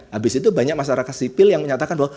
habis itu banyak masyarakat sipil yang menyatakan bahwa